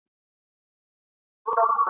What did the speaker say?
له زندانه تر آزادۍ !.